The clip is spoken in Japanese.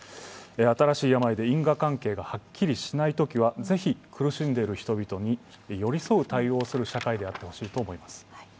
新しい病で因果関係がはっきりしないときはぜひ、苦しんでいる人々に寄り添う対応をする社会であってほしいと思います。